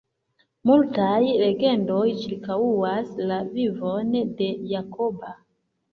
Multaj legendoj ĉirkaŭas la vivon de Jakoba.